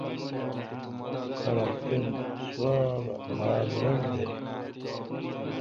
پرو تین سواب باگ رل دارل۔